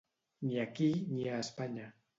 Ni aquí, ni a Espanya.